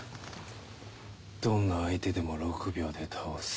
どんな相手でも６秒で倒す。